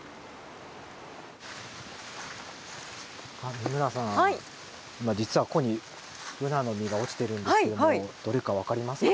美村さん実はここにブナの実が落ちてるんですけどもどれか分かりますか？